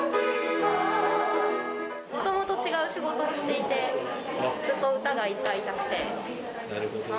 もともと違う仕事をしていて、ずっと歌が歌いたくて。